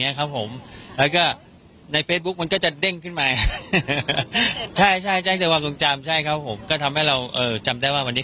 ครับผมแล้วก็ในเฟซบุ๊กมันก็จะเด้งขึ้นมาใช่ใช่ได้แต่ความทรงจำใช่ครับผมก็ทำให้เราเอ่อจำได้ว่าวันนี้